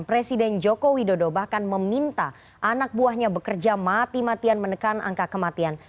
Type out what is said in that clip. presiden joko widodo bahkan meminta anak buahnya bekerja mati matian menekan angka kematian